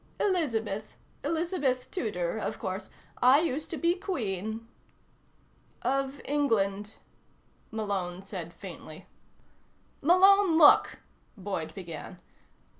"Elizabeth. Elizabeth Tudor, of course. I used to be Queen." "Of England," Malone said faintly. "Malone, look " Boyd began.